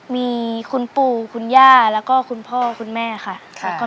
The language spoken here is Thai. มีคุณปู่คุณย่าแล้วก็คุณพ่อคุณแม่ค่ะ